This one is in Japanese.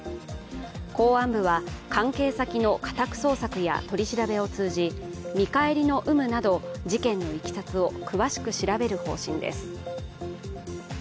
公安部は関係先の家宅捜索や取り調べを通じ、見返りの有無など事件のいきさつを詳しく調べる方針です。